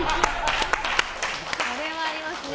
これはありますね。